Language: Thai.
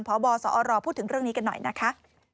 พบสอรพูดถึงเรื่องนี้กันหน่อยนะคะ